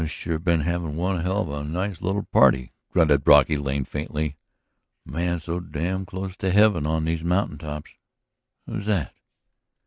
"I've sure been having one hell of a nice little party," grunted Brocky Lane faintly. "A man's so damn close to heaven on these mountain tops. ... Who's that?"